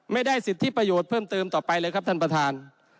ไม่ได้สิทธิประโยชน์เพิ่มเติมต่อไปเลยครับท่านประธาน